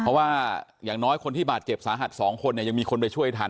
เพราะว่าอย่างน้อยคนที่บาดเจ็บสาหัส๒คนยังมีคนไปช่วยทัน